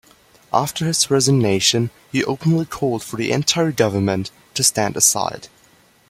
After his resignation, he openly called for the entire government to stand aside.